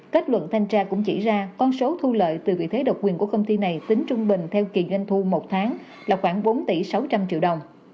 kết luận thanh tra cũng chỉ ra con số thu lợi từ vị thế độc quyền của công ty này tính trung bình theo kỳ doanh thu một tháng là khoảng bốn tỷ sáu trăm linh triệu đồng